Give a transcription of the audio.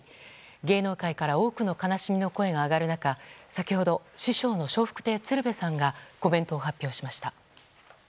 芸能界から多くの悲しみの声が上がる中先ほど、師匠の笑福亭鶴瓶さんがコメントを発表しました。